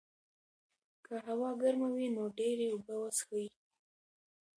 که هوا ګرمه وي، نو ډېرې اوبه وڅښئ.